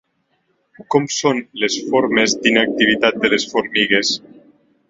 Com són les formes d'inactivitat de les formigues?